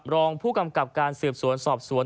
รองผู้กำกับการสืบสวนสอบสวน